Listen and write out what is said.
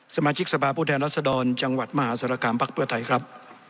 สมาชิกสภาพผู้แทนรัศดรจังหวัดมหาศาลกรรมภักดิ์เพื่อไทยครับ